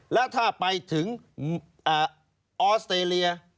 แล้วถ้าไปถึงออสเตรเลีย